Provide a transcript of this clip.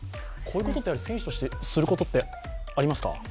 こういうことって選手としてすることはありますか？